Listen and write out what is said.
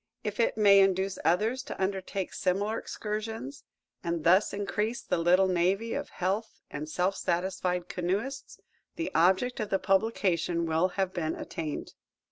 If it may induce others to undertake similar excursions, and thus increase the little navy of healthy and self satisfied canoeists, the object of the publication will have been attained.